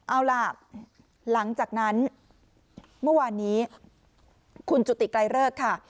เอาล่ะหลังจากนั้นเมื่อวานนี้คุณจุติไกลเลิกค่ะ